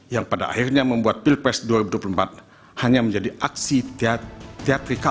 yang pada akhirnya membuat pilpres dua ribu dua puluh empat hanya menjadi aksi teatrikal